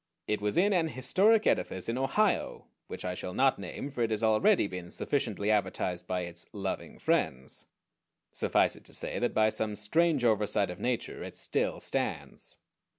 It was in an historic edifice in Ohio, which I shall not name; for it has already been sufficiently advertised by its "loving friends." Suffice it to say that by some strange oversight of Nature it still stands.